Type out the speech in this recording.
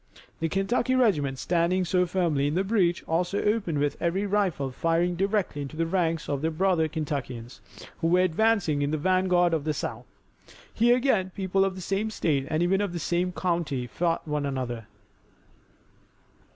The Kentucky regiment standing so firmly in the breach also opened with every rifle firing directly into the ranks of their brother Kentuckians, who were advancing in the vanguard of the South. Here again people of the same state and even of the same county fought one another.